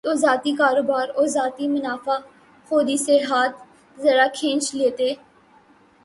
تو ذاتی کاروبار اور ذاتی منافع خوری سے ہاتھ ذرا کھینچ لیتے۔